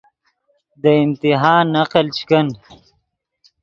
دے امتحان نقل چے کن